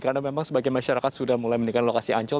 karena memang sebagai masyarakat sudah mulai menikmati lokasi ancol